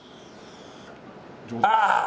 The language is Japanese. ああ！